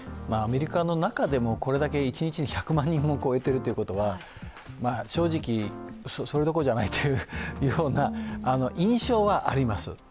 アメリカの中でも一日１００万人を超えているということは、正直、それどころじゃないというような印象はあります。